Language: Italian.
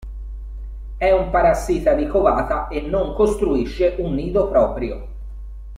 È un parassita di covata e non costruisce un nido proprio.